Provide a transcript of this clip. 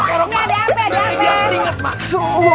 ya ampun mak